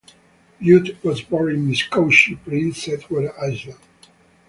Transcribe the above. Buote was born in Miscouche, Prince Edward Island.